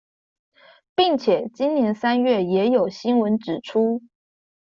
並且今年三月也有新聞指出